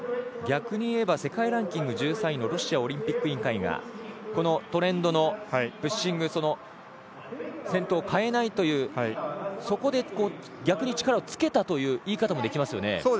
逆に言えば世界ランキング１３位のロシアオリンピック委員会がこのトレンドのプッシング先頭を変えないというそこで逆に力をつけたという言い方もできますよね。